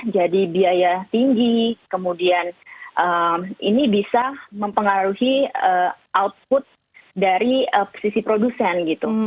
jadi biaya tinggi kemudian ini bisa mempengaruhi output dari sisi produsen gitu